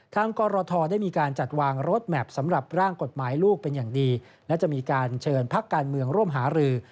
กรทได้มีการจัดวางรถแมพสำหรับร่างกฎหมายลูกเป็นอย่างดีและจะมีการเชิญพักการเมืองร่วมหารือ